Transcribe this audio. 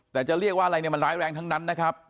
แต่จะเรียกว่าอะไรเนี่ยมันร้ายแรงทั้งนั้นนะครับ